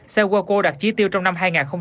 saoaco đạt trí tiêu trong năm hai nghìn một mươi chín